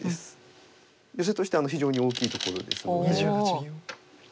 ヨセとして非常に大きいところですので。